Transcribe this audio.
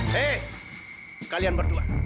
hei kalian berdua